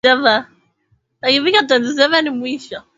Maradona alivunja rekodi ya uhamisho mara mbili